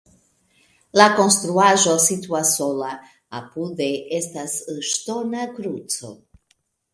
La konstruaĵo situas sola, apude estas ŝtona kruco.